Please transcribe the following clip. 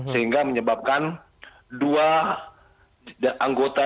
sehingga menyebabkan dua anggota